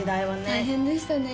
大変でしたね